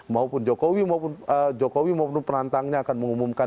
maupun jokowi maupun penantangnya akan mengumumkan